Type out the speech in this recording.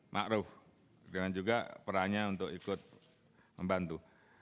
makruh dengan juga perannya untuk ikut membantu